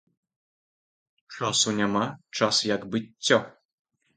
Часу няма, час як быццё.